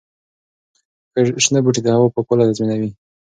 شنه بوټي د هوا پاکوالي تضمینوي.